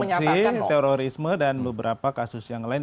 aksi terorisme dan beberapa kasus yang lain